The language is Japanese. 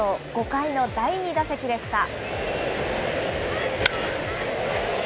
５回の第２打席でした。